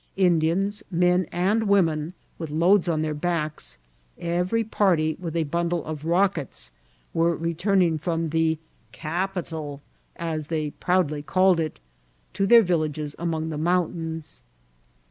Indians, men and woman, with loads on their backs, every party with a bundle of rockets, were returning from the ^< Capitol,'' as they proudly called it, to their villages among the mount* ains.